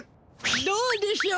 どうでしょう。